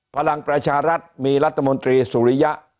พลังประชารัฐมีรัฐมนตรีสุริยะ